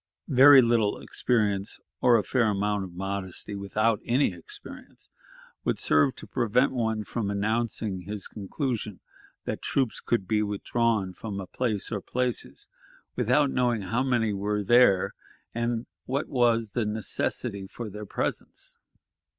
Very little experience or a fair amount of modesty without any experience would serve to prevent one from announcing his conclusion that troops could be withdrawn from a place or places without knowing how many were there, and what was the necessity for their presence.